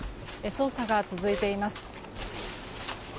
捜査が続いています。